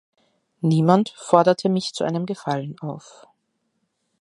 Niemand forderte mich zu einem Gefallen auf.